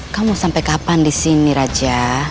kamu sampai kapan disini raja